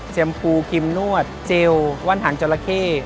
แชมพูครีมนวดเจลวานหางเจราะเก